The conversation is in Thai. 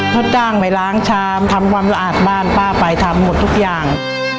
เขาจ้างไปล้างชามทำความสะอาดบ้านป้าไปทำหมดทุกอย่าง